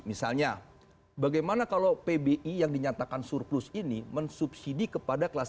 misalnya bagaimana kalau pbi yang dinyatakan surplus ini mensubsidi kepada kelas satu